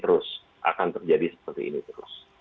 terus akan terjadi seperti ini terus